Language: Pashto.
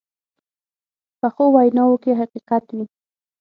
پخو ویناوو کې حقیقت وي